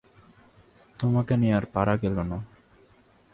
তোমাকে নিয়ে আর পারা গেল না।